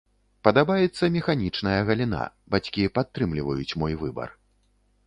Падабаецца механічная галіна, бацькі падтрымліваюць мой выбар.